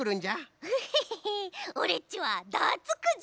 オレっちはダーツくじ！